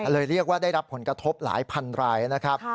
เรียกว่าได้รับผลกระทบหลายพันรายนะครับ